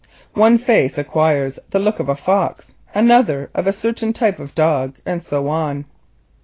One face acquires the look of a fox, another of a certain type of dog, and so on.